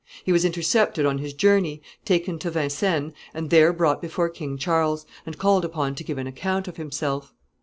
He was intercepted on his journey, taken to Vincennes, and there brought before King Charles, and called upon to give an account of himself.